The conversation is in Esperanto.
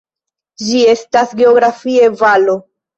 Ĝi estas geografie valo.